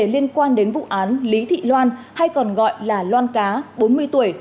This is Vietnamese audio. liên quan đến vụ án lý thị loan hay còn gọi là loan cá bốn mươi tuổi